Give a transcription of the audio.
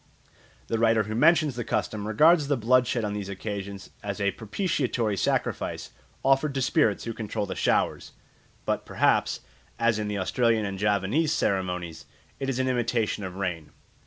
The writer who mentions the custom regards the blood shed on these occasions as a propitiatory sacrifice offered to spirits who control the showers; but perhaps, as in the Australian and Javanese ceremonies, it is an imitation of rain.